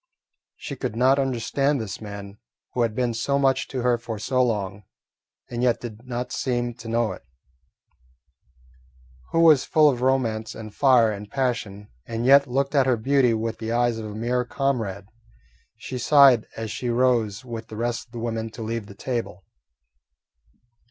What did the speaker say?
She could not understand this man who had been so much to her for so long, and yet did not seem to know it; who was full of romance and fire and passion, and yet looked at her beauty with the eyes of a mere comrade. She sighed as she rose with the rest of the women to leave the table.